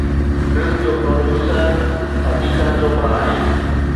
Film جو producer Aditya Chopra آهي.